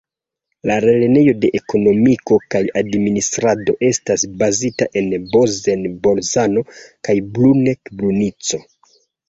La Lernejo de Ekonomiko kaj administrado estas bazita en Bozen-Bolzano kaj Bruneck-Brunico.